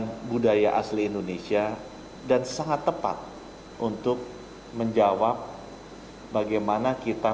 hai budaya asli indonesia dan sangat tepat untuk menjawab bagaimana kita